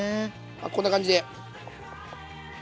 こんな感じで。